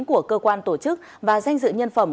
của cơ quan tổ chức và danh dự nhân phẩm